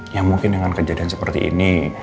ya mungkin dengan kejadian seperti ini